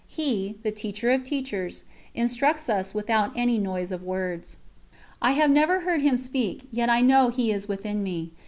He, the Teacher of Teachers, instructs us without any noise of words. I have never heard Him speak, yet I know He is within me.